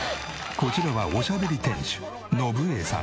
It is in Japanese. こちらはおしゃべり店主延衛さん。